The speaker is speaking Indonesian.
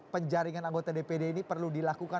penjaringan anggota dpd ini perlu dilakukan